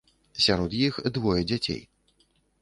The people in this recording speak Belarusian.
Сярод іх двое дзяцей.